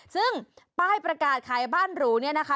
ซึ่งป้ายประกาศขายบ้านหรูเนี่ยนะคะ